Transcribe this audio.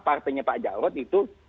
partenya pak jokowi itu